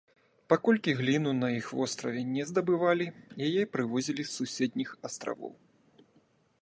Паколькі гліну на іх востраве не здабывалі, яе прывозілі з суседніх астравоў.